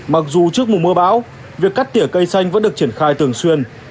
mặc dù trước mùa mưa bão việc cắt tỉa cây xanh vẫn được triển khai thường xuyên